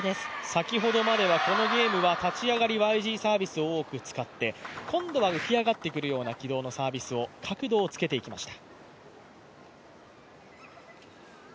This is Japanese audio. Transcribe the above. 先ほどまではこのゲームは立ち上がりＹＧサービスを多く使って今度は浮き上がってくるような軌道のサービスを、角度をつけてきました。